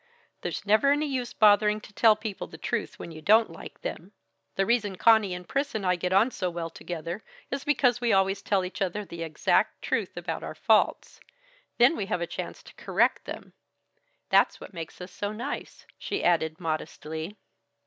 There's never any use bothering to tell people the truth when you don't like them. The reason Conny and Pris and I get on so well together, is because we always tell each other the exact truth about our faults. Then we have a chance to correct them that's what makes us so nice," she added modestly.